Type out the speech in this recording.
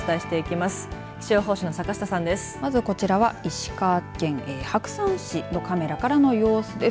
まず、こちらは、石川県白山市のカメラからの様子です。